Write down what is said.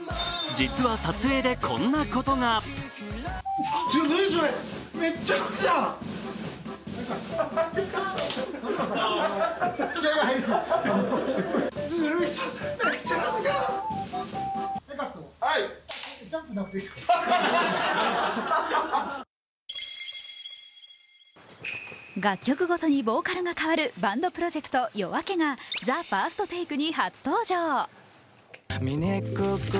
実は撮影でこんなことが楽曲ごとにボーカルが変わるバンドプロジェクト・ＹＯＡＫＥが「ＴＨＥＦＩＲＳＴＴＡＫＥ」に初登場。